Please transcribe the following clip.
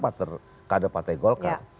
kader partai golkar